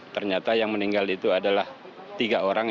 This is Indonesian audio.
ternyata yang meninggal itu adalah tiga orang